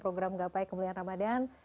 program gapai kemuliaan ramadhan